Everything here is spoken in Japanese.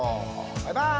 バイバーイ！